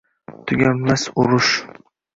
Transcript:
Tuganmas urush